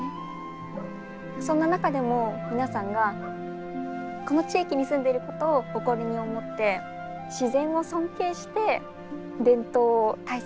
そんな中でも皆さんがこの地域に住んでいることを誇りに思って自然を尊敬して伝統を大切に守っている。